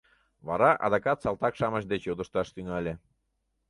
Вара адакат салтак-шамыч деч йодышташ тӱҥале.